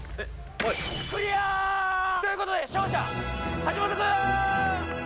ほいクリア！ということで勝者橋本君！